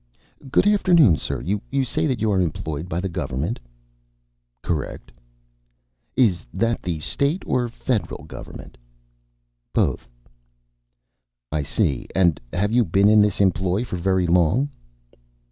_) "Good afternoon, sir. You say that you are employed by the government?" "Correct." "Is that the state or the federal government?" "Both." "I see. And have you been in this employ for very long?"